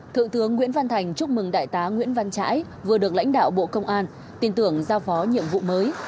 thượng tướng nguyễn văn thành chúc mừng đại tá nguyễn văn trãi vừa được lãnh đạo bộ công an tin tưởng giao phó nhiệm vụ mới